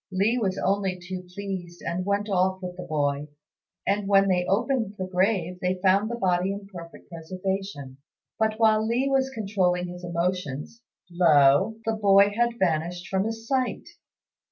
Li was only too pleased, and went off with the boy; and when they opened the grave they found the body in perfect preservation; but while Li was controlling his emotions, lo! the boy had vanished from his sight.